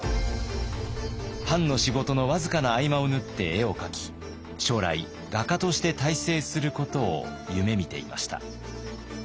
藩の仕事の僅かな合間を縫って絵を描き将来画家として大成することを夢みていました。